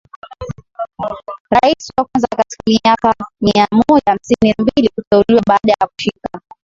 rais wa kwanza katika miaka mia moja hamsini na mbili kuteuliwa baada ya kushika